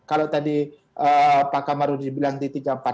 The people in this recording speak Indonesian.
kalau tadi pak kamarudi bilang di tiga ratus empat puluh lima